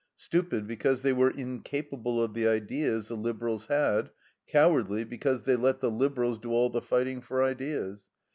Stupid, because they were incapable of the ideas the Liberals had. Cowardly, because they let the Liberals do all the fighting for ideas.